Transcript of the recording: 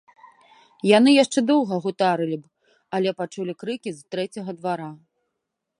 Яны яшчэ доўга гутарылі б, але пачулі крыкі з трэцяга двара.